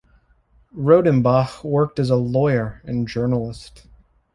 Rodenbach worked as a lawyer and journalist.